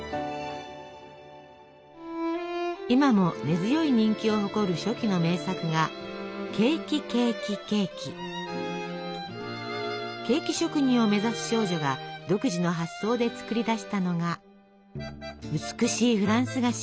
今も根強い人気を誇る初期の名作がケーキ職人を目指す少女が独自の発想で作り出したのが美しいフランス菓子。